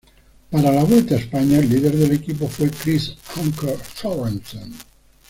Para la Vuelta a España el líder del equipo fue Chris Anker Sørensen.